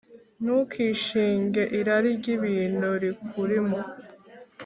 Ntukishinge irari ry’ibintu rikurimo,